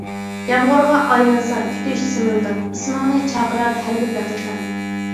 يامغۇرغا ئايلانسا كۈتۈش سىمىلداپ، ئىسمىڭنى چاقىرار ھەربىر دەقىقەم.